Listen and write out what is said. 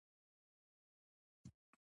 دوی د غوښتونکو لپاره ازموینه چمتو کوي.